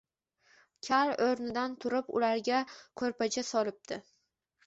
Kal o‘rnidan turib ularga ko‘rpacha solibdi